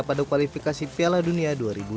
pada kualifikasi piala dunia dua ribu dua puluh